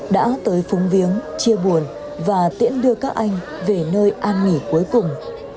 đã tới phúng viếng chia buồn và tiễn đưa các anh về nơi an nghỉ cuối cùng